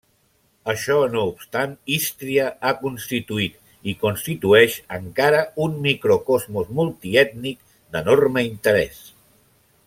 Això no obstant, Ístria ha constituït i constitueix encara un microcosmos multiètnic d'enorme interès.